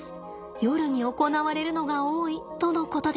夜に行われるのが多いとのことです。